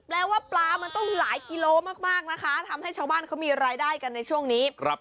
แปลว่าปลามันต้องหลายกิโลมากนะคะทำให้ชาวบ้านเขามีรายได้กันในช่วงนี้